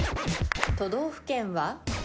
都道府県は？